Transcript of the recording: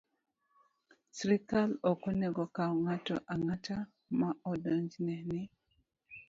Sirkal ok onego okaw ng'ato ang'ata ma odonjne ni